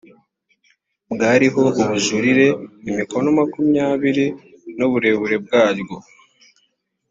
bwariho ubujurire imikono makumyabiri n uburebure bwaryo